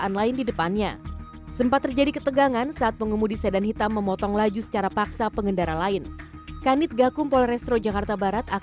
bahwa saya sampaikan di kesempatan ini bahwa satlantas polres metro jakarta barat